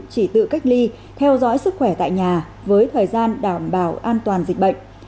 chỉ tự cách ly theo dõi sức khỏe tại nhà với thời gian đảm bảo an toàn dịch bệnh